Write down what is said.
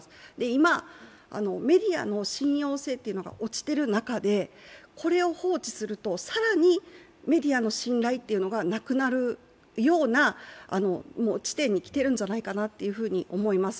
今、メディアの信用性というのが落ちている中でこれを放置すると更にメディアの信頼というのがなくなるような地点にきているんじゃないかなと思います。